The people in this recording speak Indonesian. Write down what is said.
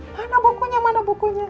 mana bukunya mana bukunya